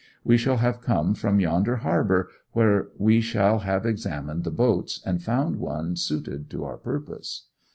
We shall have come from yonder harbour, where we shall have examined the boats, and found one suited to our purpose.